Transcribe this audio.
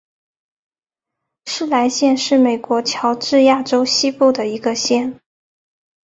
施莱县是美国乔治亚州西部的一个县。